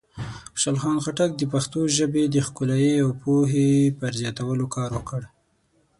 خوشحال خان خټک د پښتو ژبې د ښکلایۍ او پوهې پر زیاتولو کار وکړ.